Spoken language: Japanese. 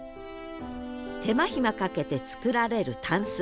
手間暇かけて作られるタンス。